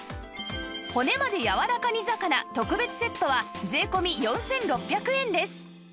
骨までやわらか煮魚特別セットは税込４６００円です